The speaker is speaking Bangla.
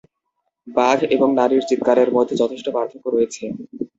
বাঘ এবং নারীর চিৎকারের মধ্যে যথেষ্ট পার্থক্য রয়েছে।